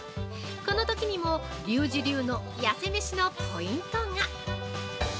このときにも、リュウジ流の痩せめしのポイントが。